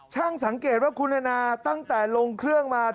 สังเกตว่าคุณแอนานาตั้งแต่ลงเครื่องมา